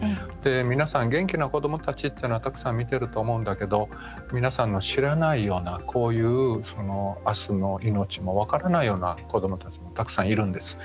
皆さん、元気な子どもたちというのはたくさん見ていると思うんだけど皆さんの知らないような、こういうあすの命も分からないような子どもたち、たくさんいるんです。